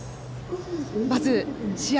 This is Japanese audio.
まず試合